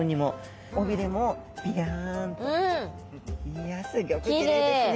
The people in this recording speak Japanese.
いやすギョくきれいですね。